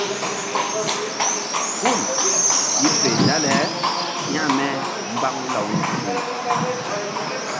Hul i fe dale hȩkme mbaŋ law nzukri.